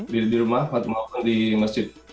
di rumah maupun di masjid